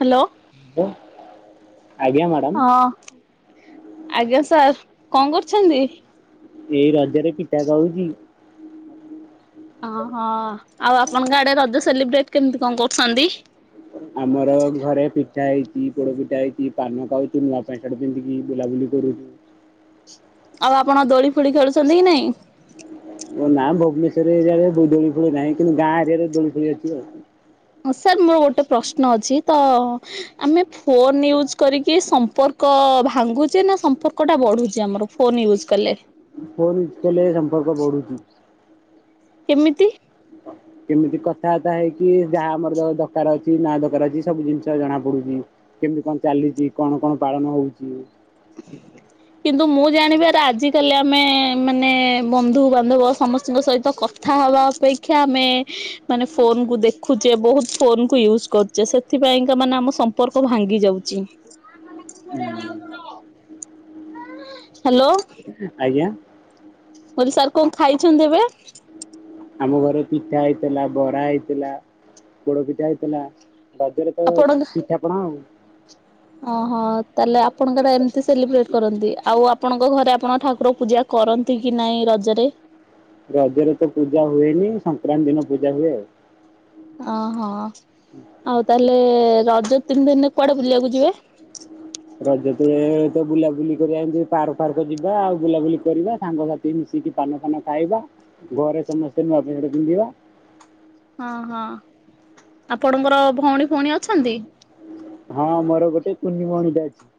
Hello hello ଆଜ୍ଞା madam ହଁ। ଆଜ୍ଞା ସାର୍ କଣ କରୁଛନ୍ତି? ଏଇ ରଜରେ ପିଠା ଖାଉଛି। ଓହୋ ଆଉ ଆପଣଙ୍କ ଆଡେ ରଜ ସେଲିବ୍ରେଟ କେମତି କଣ କରୁଛନ୍ତି? ଆମର ଘରେ ପିଠା ହେଇଛି ପୋଡ଼ପିଠା ହେଇଛି ପାନ ଖାଉଛି ନୂଆ ପ୍ୟାଣ୍ଟ ସାର୍ଟ ପିନ୍ଧିକି ବୁଲାବୁଲି କରୁ। ଆଉ ଆପଣ ଦୋଳି ଫୋଳି ଖେଳୁଛନ୍ତି କି ନାଇଁ? ନା ଭୁବନେଶ୍ୱର୍ ରେ ଏରିଆରେ ଦୋଳି ଫୁଳି ନାହିଁ କିନ୍ତୁ ଗାଁ ଏରିଆରେ ଦୋଳି ଫୁଳି ଅଛି ଆଉ। ସାର୍ ମୋର ଗୋଟେ ପ୍ରଶ୍ନ ଅଛି ତ ଆମେ ଫୋନ ୟୁଜ୍ କରିକି ସମ୍ପର୍କ ଭାଙ୍ଗୁଚେ ନା ସମ୍ପର୍କ ଟା ବଢୁଛି ଆମର ଫୋନ ୟୁଜ୍ କଲେ? ଫୋନ୍ ୟୁଜ କଲେ ସମ୍ପର୍କ ବଢୁଛି। କେମିତି? କେମିତି କଥାବାର୍ତ୍ତା ହେଇକି ଯାହା ଆମର ଦରକାର ଅଛି ନା ଦରକାର ଅଛି ସବୁ ଜିନିଷ ଜଣା ପଡୁଛି। କେମିତି କଣ ଚାଲିଛି କଣ କଣ ପାଳନ ହଉଛି। ହୁଁ କିନ୍ତୁ ମୁଁ ଜାଣିବାର ଆଜି କାଲି ଆମେ ମାନେ ବନ୍ଧୁ ବାନ୍ଧବ ସମସ୍ତଙ୍କ ସହିତ କଥ କଥା ହବା ଅପେକ୍ଷା ଆମେ ମାନେ ଫୋନକୁ ଦେଖୁଛେ ବହୁତ ଫୋନ କୁ ୟୁଜ କରୁଛେ। ଚେ ସେଥିପାଇଁକା ମାନେ ଆମ ସମ୍ପର୍କ ଭାଙ୍ଗି ଯାଉଛି। ଶ ଲଗାଉଛ [inaudible] ହାଲୋ। ଆଜ୍ଞା। କହିଲି ସାର୍ କଣ ଖାଇଛନ୍ତି ଏବେ? ଆମ ଘରେ ପିଠା ହେଇଥିଲା ବରା ହେଇଥିଲା ପୋଡ ପିଠା ହେଇଥିଲା ରଜରେ ତ ଆପଣ ପିଠା ପଣା ଆଉ। ଓହୋ, ତାହେଲେ ଆପଣଙ୍କର ଏମିତି ସେଲିବ୍ରେଟ୍ କରନ୍ତି। ଆଉ ଆପଣଙ୍କ ଘରେ ଆପଣ ଠାକୁର ପୂଜା କରନ୍ତି କି ନାଇଁ ରଜରେ? ରଜରେ ତ ପୂଜା ହୁଏନି। ସଂକ୍ରାନ୍ତି ଦିନ ପୂଜା ହୁଏ। ଅଁ, ହଁ ଆଉ ତାହେଲେ ରଜ ତିନି ଦିନରେ କୁଆଡେ ବୁଲିବାକୁ ଯିବେ? ରଜ ତ ତ ବୁଲାବୁଲି କରିବା ଏମତି ପାର୍କ ଫାର୍କ ଯିବା। ଆଉ ବୁଲାବୁଲି କରିବା ସାଙ୍ଗସାଥ ଥି ମିଶିକି ପାନ ଫାନ ଖାଇବା। ଘରେ ସମସ୍ତେ ନୂଆ [unintelligible] ପିନ୍ଧିବା। ହଁ, ହଁ ଆପଣଙ୍କର ଭଉଣୀ ଫଉଣୀ ଅଛନ୍ତି? ହଁ ମୋର ଗୋଟେ କୁନି ଭଉଣୀ ଟେ ଅଛି।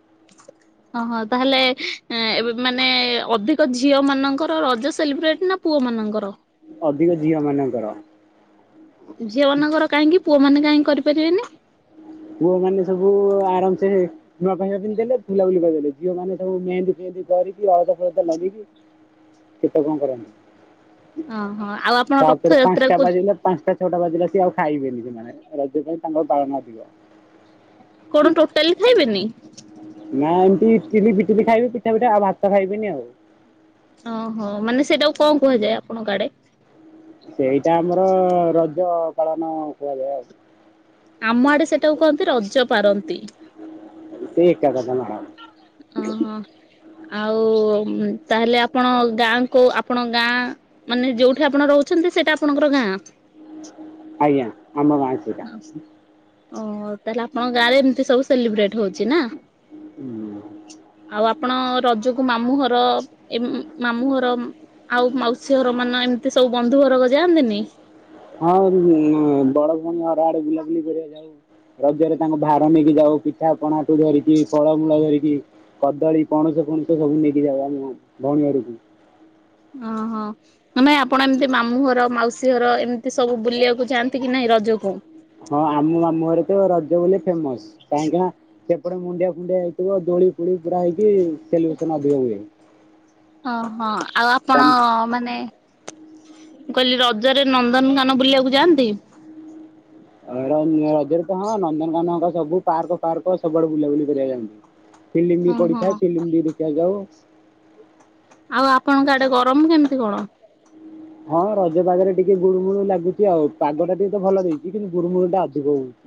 ହଁ, ହଁ ତାହେଲେ ଅଁ, ଏବେ ମାନେ ଅଧିକ ତ ଝିଅ ମାନଙ୍କର ରଜ ସେଲିବ୍ରେଟ୍ ନା ପୁଅ ମାନଙ୍କର? ଅଧିକ ଝିଅ ମାନଙ୍କର। ଝିଅ ମାନେ କାହିଁକି? ପୁଅ ମାନେ କାହିଁକି କରିପାରିବେନି? ପୁଅ ମାନେ ସବୁ ଆରାମ ସେ ନୂଆ ପେଣ୍ଟ ସାର୍ଟ ପିନ୍ଧି ଦେଲେ ବୁଲାବୁଲି କରିଦେଲେ। ଝିଅମାନେ ସବୁ ମେହେନ୍ଦି ଫେହେନ୍ଦି କରିକି, ଅଳତା ଫଳତା ଲଗେଇକି କେତେ କଣ କରନ୍ତି। ଓହୋ ଆଉ ଆପଣ ତାପରେ ରଥଯାତ୍ରା ପାନ୍ସଟା କୁ ବାଜିଲେ ପାନ୍ସଟା ଛଅଟା ବାଜିଲେ ଆଉ ସିଏ ଆଉ ଖାଇବେନି ସେମାନେ। ରଜ ପାଇଁ ତାଙ୍କର ପାଳନ ଅଧିକ। କଣ ଟୋଟାଲି ଖାଇବେନି? ନା ଏମତି ଇଟିଲି ଫିଟିଲି ଖାଇବେ, ପିଠା ପିଠା ଆଉ ଭାତ ଖାଇବେନି ଆଉ। ଓହୋ, ମାନେ ସେଟାକୁ କଣ କୁହାଯାଏ ଆପଣଙ୍କ ଆଡେ? ସେଇଟା ଆମର ରଜ ପାଳନ କୁହାଯାଏ ଆଉ। ଆମ ଆଡେ ସେଟାକୁ କୁହନ୍ତି ରଜ ପାରନ୍ତି। ରଜ ପାନ ଆଣ। ଓହୋ। ଆଉ ତାହେଲେ ଆପଣ ଗାଁ କୁ ଆପଣ ଗାଁ ମାନେ ଯୋଉଠି ଆପଣ ରହୁଛନ୍ତି ସେଇଟା ଆପଣଙ୍କର ଗାଁ? ଆଜ୍ଞା, ଆମ ଗାଁ। ସେଇଟା ଓହୋ! ତାହେଲେ ଆପଣଙ୍କ ଗାଁ ରେ ଏମିତି ସବୁ ସେଲିବ୍ରେଟ୍ ହଉଛି ନା? ଆଉ ଆ ଆପଣ ରଜକୁ ମାମୁଁ ଘର ଏମ୍ ମାମୁଁ ଘର ଆଉ ମାଉସ ସୀ ଘର ମାନ ଏମିତି ସବୁ ବନ୍ଧୁ ଘରକୁ ଯାଆନ୍ତିନି? ହଁ ଦିଦି ଆମେ ବଡ ଭଉଣୀ ଘର ଆଡେ ବୁଲାବୁଲି କରିବା ଯାଉ। ରଜରେ ତାଙ୍କ ଭା ର ନେଇକି ଯାଉ ପିଠା ପଣାଠୁ ଧରିକି, ଫଳମୂଳ ଧରିକି। କଦଳୀ ପଣସ ଫଣସ ସବୁ ନେଇକି ଯାଉ ଆମ ଭଉଣୀ ଘରକୁ। ଅଁ, ହଁ। ମାନେ ଆପଣ ଏମିତି ମାମୁଁ ଘର, ମାଉସୀ ଘର, ଏମିତି ସବୁ ବୁଲିବାକୁ ଯଆନ୍ତି କି ନାହିଁ ରଜକୁ? ହଁ ଆମ ମମୁଁ ଘରେ ତ ରଜ ବୋଲି ଫେମସ୍ କାହିଁକି ନା ସେ ଏପଟେ ମୁଣ୍ଡିଆ ଫୁଣ୍ଡିଆ ହେଇଥିବ ଦୋଳି ଫୁଳି ପୁରା ହେଇକି ସେଲିବ୍ରେସନ୍ ଅଧିକ ହୁଏ ହଁ, ହଁ ଆଉ ଆପଣ ମାନେ ମୁଁ କହିଲି ରଜରେ ନନ୍ଦନକାନ ବୁଲିବାକୁ ଯାଆନ୍ତି? ରଞ୍ଜ ରଜରେ ତ ହଁ ନନ୍ଦନକାନନ ତ ସବୁ ପାର୍କ ଫାର୍କ ସବୁଆଡେ ବୁଲାବୁଲି କରିବାକୁ ଯାଇଛୁ। ଫିଲ୍ମ ବି ଓହୋ। ପଡିଥାଏ, ଫିଲ୍ମ ବି ଦେଖିଆକୁ ଯାଉ। ଆଉ ଆପଣଙ୍କ ଆଡେ ଗରମ କେମିତି କଣ? ହଁ ରଜ ପାଗରେ ଟିକେ ଗୁଳୁମୁଳୁ ଲାଗୁଚୁ ଆଉ। ପାଗ ଟା ଟିକେ ତ ଭଲ ଦେଇଚି, କିନ୍ତୁ ଗୁରୁମୁଳୁ ଟା ଅଧିକ ହଉ [inaudible]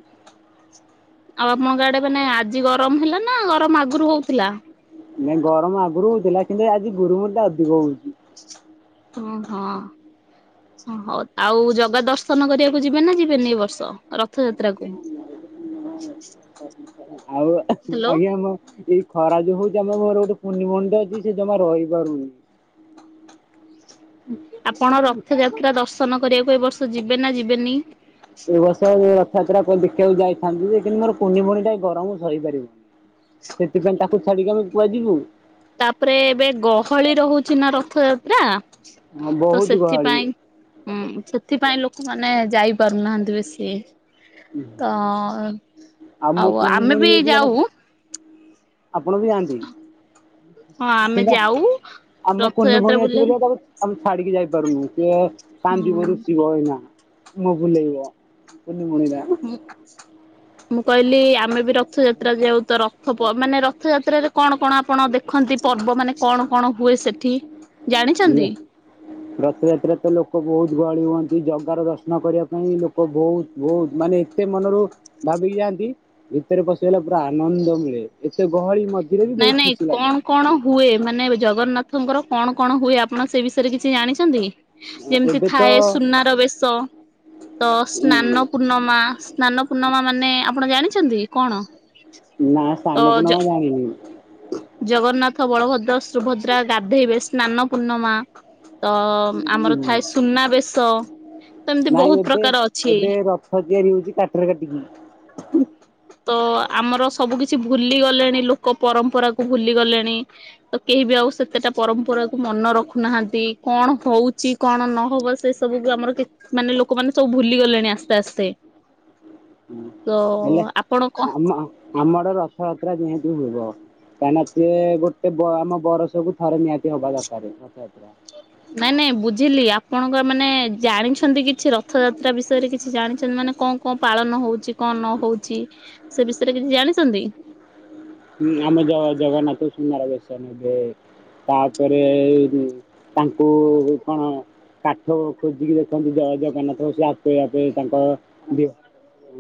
ଆଉ ଆପଣଙ୍କ ଆଡେ ମାନେ ଆଜି ଗରମ ହେଲା ନା ଗରମ ଆଗରୁ ହଉଥିଲା? ନ ଗରମ ଆଗରୁ ହଉଥିଲା, କିନ୍ତୁ ଏ ଆଜି ଗୁରୁମୁ ଟା ଅଧିକ ହଉଚି। ହଁ, ହଁ। ହଁ ହଉ ଆଉ ଜଗା ଦର୍ଶନ କରିବାକୁ ଯିବେ ନା ଯିବେନି ଏଇ ବର୍ଷ ରଥଯାତ୍ରାକୁ? ଆଉ ହ୍ୟାଲୋ ଆଜ୍ଞା ଆମ ଏଇ ଖରା ଯେ ହଉଚି ଆମ ଘର ଗୋଟେ କୁନି ଭଉଣୀ ଟେ ଅଛି ସିଏ ଜମା ରହିପାରୁନି। ଆପଣ ରଥଯାତ୍ରା ଦର୍ଶନ କରିବାକୁ ଏ ବର୍ଷ ଯିବେ ନା ଯିବେନି? ଏ ବର୍ଷ ରଥଯାତ୍ରା ଦେଖିବାକୁ ଯାଇଥାନ୍ତି ଯେ କିନ୍ତୁ ମୋର କୁନି ଭଉଣୀ ଟା ଗରମ ସହିପାରିବନି। ସେଥିପାଇଁ ତାକୁ ଛାଡିକି ଆମେ କୁଆଡେ ଯିବୁ। ତାପରେ ଏବେ ଗହଳି ରହୁଛି ନା ରଥଯାତ୍ରା। ହ ତ ବହୁତ ଗହଳି। ସେଥିପାଇଁ ହୁଁ ସେଥିପାଇଁ ଲୋକମାନେ ଯାଇପାରୁନାହାନ୍ତି ବେଶୀ। ତ ମୋ ଆଉ କୁନି ଆମେ ଭଉଣୀ ବି ଯଦି ଆମ ଯାଉ। ଆପଣ ବି ଯାଆନ୍ତି ହଁ ଆମେ କିବା ଯାଉ ଆମ କୁନୁ ରଥଯାତ୍ରା ଭଉଣୀ ଅଛି ବୁଲିବା ହୁଁ। ବୋଲି ତା ଆମେ ଛାଡିକି ଯାଇପାରୁନୁ ସେଏ କାନ୍ଦିବ ରୁଷିବ ହନା। ମୁମ ପଲିବ ପଣି ମଣିିଲା। ହ ମୁଁ କହିଲି ଆମେ ବି ରଥଯାତ୍ରା ଯାଉ ତ ରଥ ମାନେ ରଥଯାତ୍ରାରେ କଣ କଣ ଆପଣ ଦେଖ? ଦେଖନ୍ତି ପର୍ବ ମାନେ କଣ କଣ ହୁଏ ସେଠି? ବ ଜାଣିଛନ୍ତି? ରଥଯାତ୍ରା ତ ଲୋକ ବହୁତ ଗହଳି ହୁଅନ୍ତି ଜଗାର ଦର୍ଶନ କରିବା ପାଇଁ ଲୋକ ବହୁତ ବହୁତ ମାନେ ଏତେ ମନରୁ ଭାବି ଯାଆନ୍ତି। ଭିତରେ ପସେଇଲା ପୁରା ଆନନ୍ଦ ମିଳେ ଏତେ ଗହଳି ମଧ୍ୟ ନାଇଁ ନାଇଁ କଣ? କଣ ହୁଏ ମାନେ ଜଗନ୍ନାଥଙ୍କର କଣ କଣ ହୁଏ ଆପଣ ସେ ବିଷୟରେ କିଛି ଜାଣିଛନ୍ତି? ଯେମିତି ଏବେ ତ ଥାଏ ସୁନାର ବେଶ ତ ସ୍ନାନ ପୂର୍ଣ୍ଣମା ସ୍ନାନ ପୂର୍ଣ୍ଣମା ମାନେ ଆପଣ ଜାଣିଛନ୍ତି କଣ? ନା ତ ସାନପ ଜ ନମା ଜାଣିନି। ଜଗନ୍ନାଥ ବଳଭଦ୍ର ସୁଭଦ୍ରା ଗାଧେଇବେ ସ୍ନାନ ପୂର୍ଣ୍ମା ତ ଆମର ଥାଏ ସୁନାବେେଶ ତ ଏମିତି ବହୁତ ପ୍ରକାର ଅଛି। ହଜଆାରରି ହଉଛି କାଟରେ କାଟିକି। ତ ଆମର ସବୁ କିଛି ଭୁଲି ଗଲେଣି ଲୋକ ପରମ୍ପରା କୁ ଭୁଲି ଗଲେଣି। ତ କେହି ବି ଆଉ ସେତେଟା ପରମ୍ପରାକୁ ମନେ ରଖୁନାହାନ୍ତି। କଣ ହଉଛି କଣ ନହବ ସେ ସବୁକୁ ଆମର। ମାନେ ଲୋକମାନେ ସବୁ ଭୁଲି ଗଲେଣି ଆସ୍ତେ ଆସ୍ତେ। ହଁ ତ ହେଲେ ଆପଣ କଣ ଆମ ଆମର ରଥଯାତ୍ରା ଯେମତି ହବ। କାହିଁକି ନା ସେ ଗୋଟେ ଆମ ବରଷ କୁ ଥରେ ନିହାତି ହବା ଦରକାର ରଥଯାତ୍ରା। [inaudible] ନାଇଁ ନାଇଁ ବୁଝିଲି ଆପଣଙ୍କ ମାନେ ଜାଣିଛନ୍ତି କିଛି ରଥଯାତ୍ରା ବିଷୟରେ କିଛି ଜାଣିଛନ୍ତି ମାନେ କଣ କଣ ପାଳନ ହଉଛି କଣ ନ ହଉଛି ସେ ବିଷୟରେ କିଛି ଜାଣିଛନ୍ତି? ଊ ଆମ ଜଗନ୍ନାଥ ସୁନ୍ଦାର ବଶ ନ ନେବେ ତାପରେ ତାଙ୍କୁ କଣ କାଠ ଖୋଜିକି ଦେଖ ଅଛନ୍ତି ଜୟ ଜଗନ୍ନାଥ ସ କରିବା ପାଇଁ ତାଙ୍କର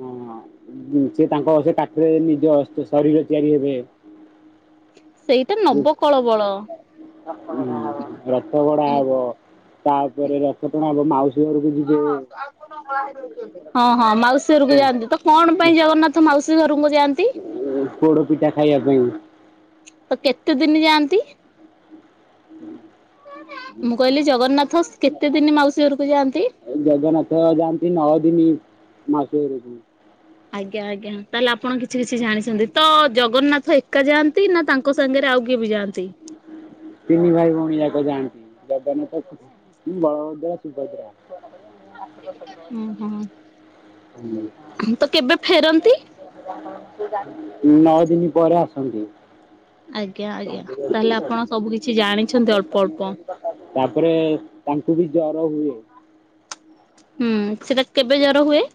ହଁ ସେ ତାଙ୍କ ସେ କାଠରେ ନିଜ ଶରୀର ତିଆରି ହେବେ। ସେଇଟା ନବକଳବଳ। ହ ରସ ଗଡା ହବ ତାପରେ ରଥ ତଣା ହବ ମାଉସୀ ଘରକୁ ଯିବେ। ଆ କକୁ ନକରା ହେ। ହଁ ହଁ ମାଉସୀ ଘରକୁ ଯାଆନ୍ତି ତ କଣ ପାଇଁ ଜଗନ୍ନାଥ ମାଉସୀ ଘରକୁ ଯାଆନ୍ତି। ପୋଡ ପିଠା ଖାଇବା ପାଇଁ ତ କେତେ ଦିନ ଯାଆନ୍ତି? ମୁଁ କହିଲି ଜଗନ୍ନାଥ କେତେ ଦିନ ମାଉସୀ ଘରକୁ ଯାଆନ୍ତି। ଜଗନ୍ନାଥ ଯାଆନ୍ତି ନଅ ଦିନି ମାସରେକୁ। ଆଜ୍ଞା ଆଜ୍ଞା ତାହେଲେ ଆପଣ କିଛି କିଛି ଜାଣିଛନ୍ତି? ତ ଜଗନ୍ନାଥ ଏକା ଯାଆନ୍ତି ନା ତାଙ୍କ ସାଙ୍ଗରେ ଆଉ କିଏ ବି ଯାଆନ୍ତି। ତିନି ଭାଇ ଭଉଣୀ ଯାକ ଜାଣନ୍ତି ଜଗନ୍ନାଥ ବଳଭଦ୍ର ସୁଭଦ୍ରା ଉଁ ହୁଁ ମ ତ କେବେ ଫେରନ୍ତି? ନଅ ଦିନ ପରେ ଆସନ୍ତି। ଆଜ୍ଞା ଆଜ୍ଞା ତାହେଲେ ଆପଣ ସବୁ କିଛି ଜାଣିଛନ୍ତି ଅଳ୍ପ ଅଳ୍ପ। ତାପରେ ତାଙ୍କୁ ବି ଜର ହୁଏ। ହୁଁ ସେଟା କେବେ ଜର ହୁଏ?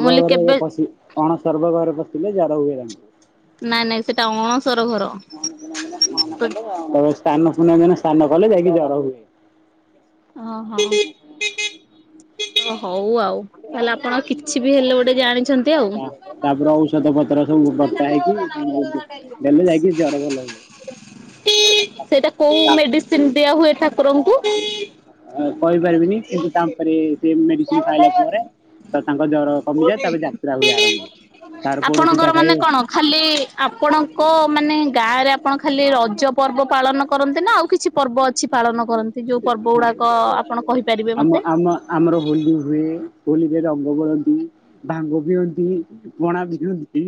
ମୁଁ କହିଲି ଘରେ କେବେ ଅଣସର୍ବା ଘରେ ପଶିଲେ ଯାଦା ହୁଏ ତାଙ୍କୁ ନାଇଁ ନାଇଁ ସେଟା ଅଣସର ଘର। ତ ସ୍ନାନ ପୁନ ଦିନ ସ୍ନାନ କଲେ ଯାଇକି ଜର ହୁଏ। ଓହୋ ହଁ ହଉ ଆଉ। ତାହେଲେ ଆପଣ କିଛି ବି ହେଲେ ଗୋଟେ ଜାଣିଛନ୍ତି ଆଉ। ତାପରେ ଔଷଧ ପତ୍ର ସବୁ ବଟା ହେଇକି ଦେଲେ ଯାଇକି ଯଆର ଭଲ ହୁଏ। ସେଇଟା କୋଉ ତା ମେଡିସିନ ଦିଆ ହୁଏ ଠାକୁରଙ୍କୁ? କହିପାରିବିନି କିନ୍ତୁ ତାପରେ ସେ ମେଡିସିନ ଖାଇଲା ପରେ ତ ତାଙ୍କ ଜ୍ର କମିଯାଏ ତାପରେ ଯାତ୍ରା ହୁଏ ଆରମ୍ଭ ଶାର ପୋଡ ପିଠା ଆପଣଙ୍କର ମାନେ ଖାଇବେ। କଣ ଖାଲି ଆପଣଙ୍କ ମାନେ ଗାଁରେ ଆପଣ ଖାଲି ରଜ ପର୍ବ ପାଳନ କରନ୍ତି ନା ଆଉ କିଛି ପର୍ବ ଅଛି ପାଳନ କରନ୍ତି ଯୋଉ ପର୍ବ ଗୁଡାକ ଆପଣ କହିପାରିବେ ଆମ ମତେ। ଆମ ଆମର ହୋଲି ହୁଏ ହୋଲିରେ ରଙ୍ଗ ବଳନ୍ତି। ଭାଙ୍ଗ ବିିଅନ୍ତି ପଣା ବିିଅନ୍ତି।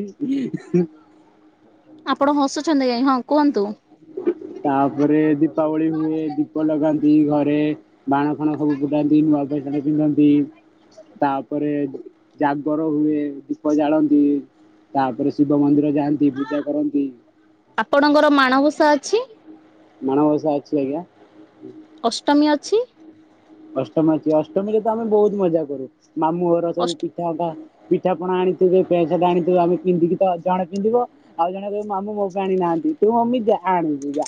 ଆପଣ ହସୁଛନ୍ତି ଯାଇ ହଁ କୁହନ୍ତୁ ତାପରେ ଦୀପାବଳି ହୁଏ ଦୀପ ଲଗାନ୍ତି ଘରେ ବାଣ ଫାଣ ସବୁ ଫୁଟାନ୍ତି ନୂଆ ପ୍ୟାଣ୍ଟ ସାର୍ଟ ପିନ୍ଧନ୍ତି। ତାପରେ ଜାଗର ହୁଏ ଦୀପ ଜାଳନ୍ତି। ତାପରେ ଶିବ ମନ୍ଦିର ଯାଆନ୍ତି ପୂଜା କରନ୍ତି। ଆପଣଙ୍କର ମାଣବୂଷା ଅଛି। ମାଣବସା ଅଛି ଆଜ୍ଞା ଅଷ୍ଟମୀ ଅଛି। ଅଷ୍ଟମୀ ଅଛି ଅଷ୍ଟମୀରେ ତ ଆମେ ବହୁତ ମଜା କରୁ ମାମୁ ଘର ସବୁ ଅଷ୍ଟ କି ଟା ପିଠାପଣା ଆଣିଥିବେ ପେସଟା ଆଣିଥିବେ ଆମେ ପିନ୍ଧିକି ତ ଜଣେ ପିନ୍ଧିବ ଆଉ ଜଣେ କହିବ ମାମୁ ମୋ ବି ଆଣିନାହାନ୍ତି ତୁ ମମି ଯା ଆଣିବୁ ଯା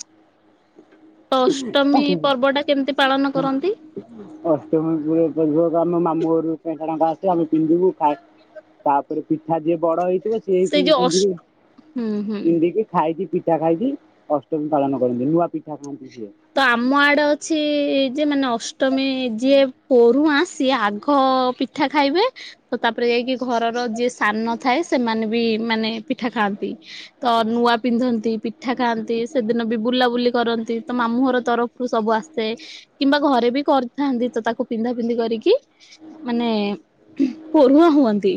ତ ଅଷ୍ଟମୀ ପର୍ବ ଟା କେମିତି ପାଳନ କରନ୍ତି? ଅଷ୍ଟମୀ ପ ପକ ଆମ ମାମୁ ଘରୁ କୋ ଟଙ୍କା ଆସେ ଆମେ ପିନ୍ଧିବୁ ଖାଇ ତାପରେ ପିଠା ଯିଏ ବଡ ହେଇଥିବ ସିଏ ସେଇ ବି ଯୋଉ ଅଷ୍ଟ ପିନ୍ଧିବି ହୁଁ ହୁଁ ପିନ୍ଧିକି ଖାଇକି ପିଠା ଖାଇକି ଅଷ୍ଟମୀ ପାଳନ କରନ୍ତି ନୂଆ ପିଠା ଖାଆନ୍ତି ସିଏ ତ ଆମ ଆଡେ ଅଛି ଯେ ମାନେ ଅଷ୍ଟମୀ ଯିଏ ପରୁଆଁ ସିଏ ଆଗ ପିଠା ଖାଇବେ। ତ ତାପରେ ଯାଇକି ଘରର ଯିଏ ସାନ ଥାଏ ସେମାନେ ବି ମାନେ ପିଠା ଖାଆନ୍ତି। ତ ନୂଆ ପିନ୍ଧନ୍ତି ପିଠା ଖାଆନ୍ତି ସେଦିନ ବି ବୁଲାବୁଲି କରନ୍ତି। ତ ମାମୁଁ ଘର ତରଫରୁ ସବୁ ଆସେ କିମ୍ବା ଘରେ ବି କରିଥାନ୍ତି ତ ତାକୁ ପିନ୍ଧା ପିନ୍ଧି କରିକି ମାନେ ପରୁଆଁ ହୁଅନ୍ତି।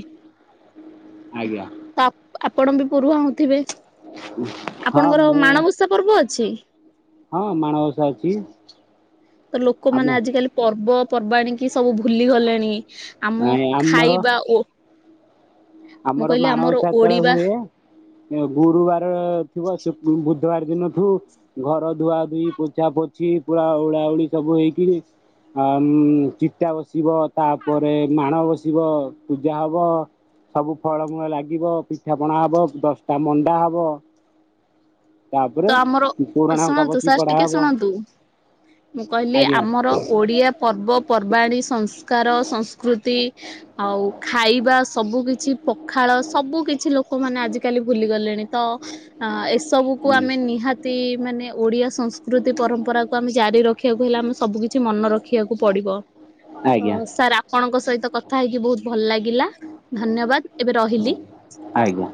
ଆଜ୍ଞା ତ ଆପଣ ବି ପୁରୁଆଁ ହଉଥିବେ ହଁ ଆପଣଙ୍କର ମୁଁ ମାଣବଶ ପର୍ବ ଅଛି। ହଁ ମାଣବସା ଅଛି। ତ ଆମ ଲୋକମାନୋନ ଆଜିକାଲି ପର୍ବ ପର୍ବାଣି କି ସବୁ ଭୁଲି ଗଲେଣି ଆମ ଏ ଆମର ଖାଇବା ଓ ମୁଁ ଆମର କହିଲି ମାଣବସା ତେଳ ଓଡିବା ହୁଏ ଗୁରୁବାର ଥିବ ଶୁ ବୁଧବାର ଦିନ ଠୁ ଘର ଧୁଆ ଧୁଇ ପୋଛା ପୋଛି ପୁରା ଉଳା ଓଳି ସବୁ ହେଇକିରି ଚିତା ବସିବ ତାପରେ ମାଣ ବସିବ ପୂଜା ହବ। ସବୁ ଫଳମୂଳ ଲାଗିବ, ପିଠାପଣା ହବ, ଦଶଟା ମଣ୍ଡା ହବ। ତାପରେ ତ ଆମର ପୁରାଣ ହଙ୍କା ଶୁଣନ୍ତୁ, ବସି ସାର୍ ପଢା ଟିକେ ହବ ଶୁଣନ୍ତୁ। ମୁଁ କହିଲି ଆଜ୍ଞା ଆମର ଓଡିଆ ପର୍ବ ପର୍ବାଣୀ, ସଂସ୍କାର, ସଂସ୍କୃତି ଆଉ ଖାଇବା ସବୁ କିଛି ପଖାଳ ସବୁ କିଛି ଲୋକମାନେ ଆଜିକାଲି ଭୁଲି ଗଲେଣି ତ ଆ ଏସବୁ କୁ ଆମେ ନିହାତି ମାନେ ଓଡ଼ିଆ ସଂସ୍କୃତି ପରମ୍ପରାକୁ ଆମେ ଜାରି ରଖିବାକୁ ହେଲେ ଆମେ ସବୁ କିିଛି ମନ ରଖି ଖି ଆକୁ ପଡିବ। ଓ ଆଜ୍ଞା ସାର୍ ଆପଣଙ୍କ ସହିତ କଥା ହେଇକି ବହୁତ ଭଲ ଲାଗିଲା ଧନ୍ୟବାଦ। ଏବେ ରହିଲି। ଆଜ୍ଞା।